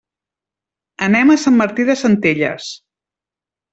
Anem a Sant Martí de Centelles.